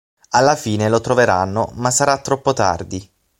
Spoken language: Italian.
Alla fine lo troveranno, ma sarà troppo tardi.